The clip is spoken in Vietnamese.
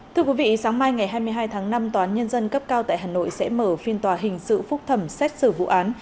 thưa quý vị sáng mai ngày hai mươi hai tháng năm tòa án nhân dân cấp cao tại hà nội sẽ mở phiên tòa hình sự phúc thẩm xét xử vụ án